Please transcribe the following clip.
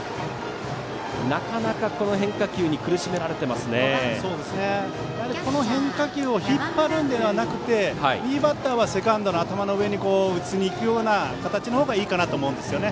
なかなか変化球にこの変化球を引っ張るのではなくていいバッターはセカンドの頭の上に打ちに行く形のほうがいいと思うんですね。